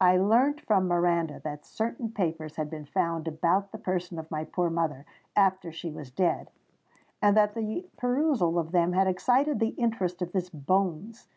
I learnt from Miranda that certain papers had been found about the person of my poor mother, after she was dead, and that the perusal of them had excited the interest of this Bones.